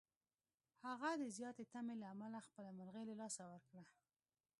هغه د زیاتې تمې له امله خپله مرغۍ له لاسه ورکړه.